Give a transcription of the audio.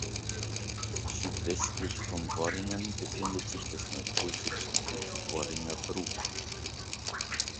Südwestlich von Worringen befindet sich das Naturschutzgebiet Worringer Bruch.